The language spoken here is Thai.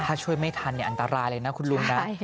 ถ้าช่วยไม่ทันอันตรายเลยนะคุณลุงนะ